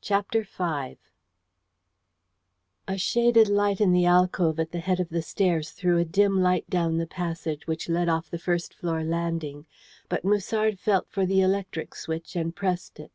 CHAPTER V A shaded light in an alcove at the head of the stairs threw a dim light down the passage which led off the first floor landing, but Musard felt for the electric switch and pressed it.